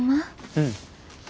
うん。